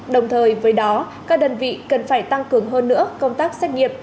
đồng thời với đó các đơn vị cần phải tăng cường hơn nữa công tác xét nghiệm